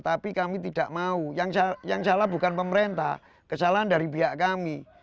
tapi kami tidak mau yang salah bukan pemerintah kesalahan dari pihak kami